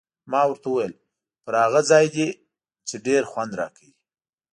ما ورته وویل: پر هغه ځای دې، چې ډېر خوند راکوي.